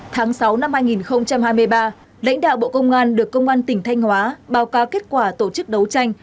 tháng sáu năm hai nghìn hai mươi ba lãnh đạo bộ công an được công an tỉnh thanh hóa báo cáo kết quả tổ chức đấu tranh